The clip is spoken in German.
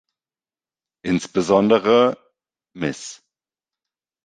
Insbesondere Ms.